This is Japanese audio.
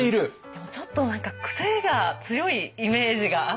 でもちょっと何か癖が強いイメージがあって。